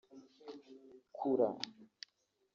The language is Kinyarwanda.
kura